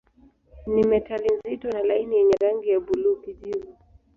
Ni metali nzito na laini yenye rangi ya buluu-kijivu.